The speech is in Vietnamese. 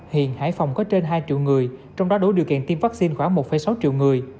hiện hải phòng có trên hai triệu người trong đó đủ điều kiện tiêm vaccine khoảng một sáu triệu người